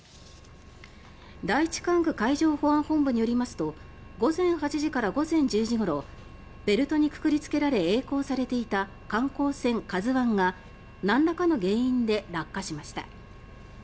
第一管区海上保安本部によりますと午前８時から午前１０時ごろベルトにくくりつけられえい航されていた観光船「ＫＡＺＵ１」がなんらかの原因で落下しました。